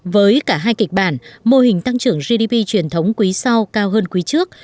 với cả hai kịch bản mô hình tăng trưởng gdp truyền thống quý sau cao hơn quý trước